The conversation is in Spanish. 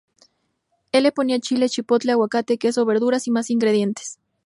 El le ponía chile chipotle, aguacate, queso, verduras y más ingredientes.